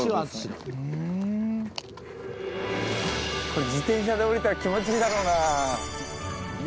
これ、自転車でおりたら気持ちいいだろうな。